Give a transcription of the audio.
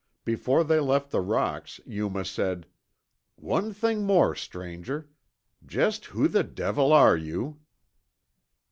Before they left the rocks Yuma said, "One thing more, stranger. Jest who the devil are you?"